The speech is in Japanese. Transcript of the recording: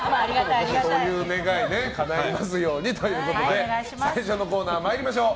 願い事がかないますようにということで最初のコーナー参りましょう。